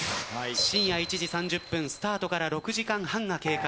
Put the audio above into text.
深夜１時３０分、スタートから６時間半が経過。